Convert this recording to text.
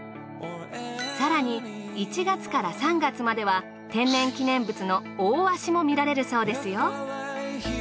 更に１月から３月までは天然記念物のオオワシも見られるそうですよ。